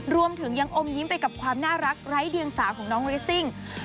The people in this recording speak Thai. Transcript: รวมถึงยังอมยิ้มไปกับความน่ารักไร้เดียงสาวของน้องเรสซิ่ง